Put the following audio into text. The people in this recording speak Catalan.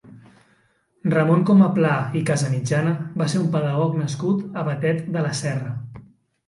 Ramon Comaplà i Casamitjana va ser un pedagog nascut a Batet de la Serra.